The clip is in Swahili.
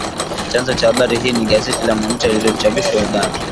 Chanzo cha habari hii ni gazeti la Monita linalochapishwa Uganda